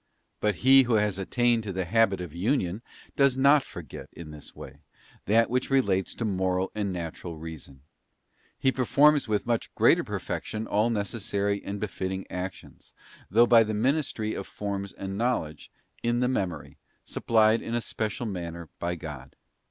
But he who has attained to the habit of Union does not forget, in this way, that which relates to moral and natural Reason ; he performs with much greater perfection all necessary and befitting actions, though by the ministry of forms and knowledge, in the memory, supplied in a special manner by God.